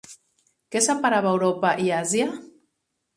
Què separava Europa i Àsia?